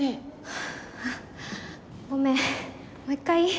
ハァごめんもう１回いい？